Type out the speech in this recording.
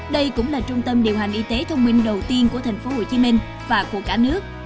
đây cũng là trung tâm điều hành y tế thông minh đầu tiên của thành phố hồ chí minh và của cả nước